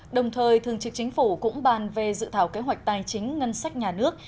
đồng thời thường trực chính phủ cũng bàn về dự thảo kế hoạch tài chính ngân sách nhà nước